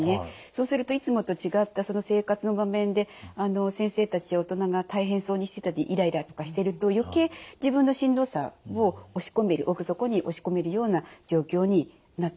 そうするといつもと違った生活の場面で先生たちや大人が大変そうにしてたりイライラとかしてると余計自分のしんどさを押し込める奥底に押し込めるような状況になってきます。